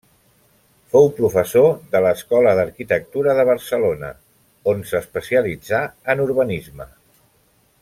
Fou professor de l'Escola d'Arquitectura de Barcelona on s'especialitzà en urbanisme.